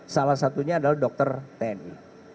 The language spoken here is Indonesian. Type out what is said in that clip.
salah satunya adalah dokter tni